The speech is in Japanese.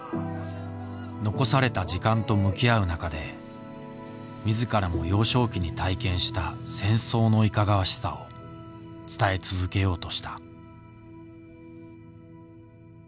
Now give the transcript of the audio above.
残された時間と向き合う中で自らも幼少期に体験した「戦争のいかがわしさ」を伝え続けようとした。